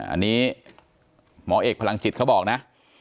อันนี้หมอเอกพลังจิตเขาบอกนะ